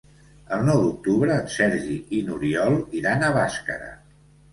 El nou d'octubre en Sergi i n'Oriol iran a Bàscara.